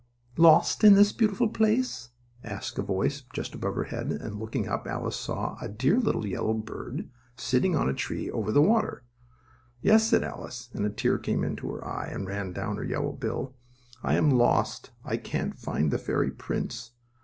Lost in this beautiful place?" asked a voice just above her head, and, looking up, Alice saw a dear little yellow bird sitting on a tree over the water. "Yes," said Alice, and a tear came into her eye, and ran down her yellow bill. "I am lost. I can't find the fairy prince."